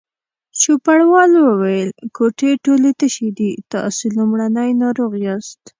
چوپړوال وویل: کوټې ټولې تشې دي، تاسې لومړنی ناروغ یاست.